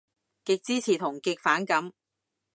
極支持同極反感